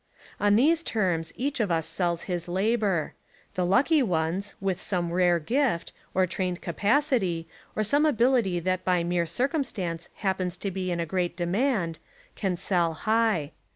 On these terms each of us sells his labour. The lucky ones, with some rare gift, or trained capacity, or some ability that by mere circum stance happens to be in a great demand, can sell high.